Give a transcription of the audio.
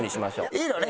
いいのね？